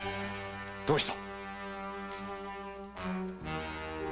どうした？